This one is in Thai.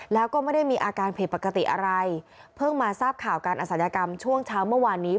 แล้วก็ไม่ได้มีอาการผิดปกติอะไรเพิ่งมาทราบข่าวการอศัลยกรรมช่วงเช้าเมื่อวานนี้